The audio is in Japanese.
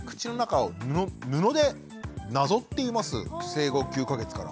生後９か月から。